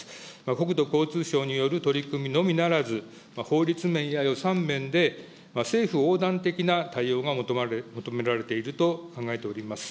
国土交通省による取り組みのみならず、法律面や予算面で政府横断的な対応が求められていると考えております。